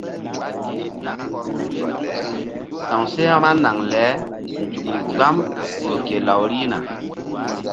Sa̧wseh vba naŋ le nzukri gbam ƴo ke law rihna.